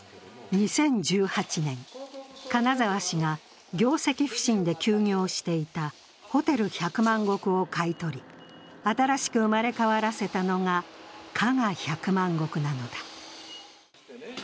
２０１８年、金沢氏が業績不振で休業していたホテル百万石を買い取り、新しく生まれ変わらせたのが加賀百万石なのだ。